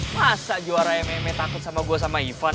masa juara mma takut sama gue sama ivan